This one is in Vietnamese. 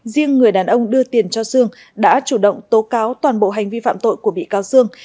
riêng người đàn ông đưa tiền cho sương đã chủ động tố cáo toàn bộ hành vi phạm tội của bị cáo sương